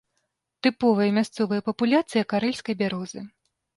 Тыповая мясцовая папуляцыя карэльскай бярозы.